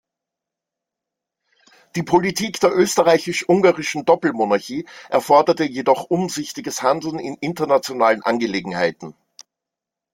Die Politik der österreichisch-ungarischen Doppelmonarchie erforderte jedoch umsichtiges Handeln in internationalen Angelegenheiten.